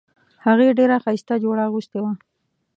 هغې ډیره ښایسته جوړه اغوستې وه